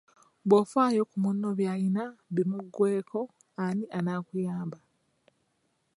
Bwofaayo ku munno by'alina bimuggweko ani anaakuyamba?